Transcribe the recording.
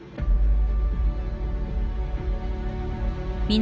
南